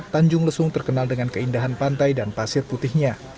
tanjung lesung terkenal dengan keindahan pantai dan pasir putihnya